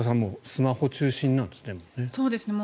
スマホ中心なんですね。